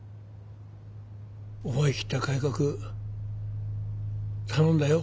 思い切った改革頼んだよ。